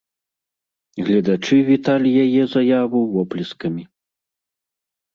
Гледачы віталі яе заяву воплескамі.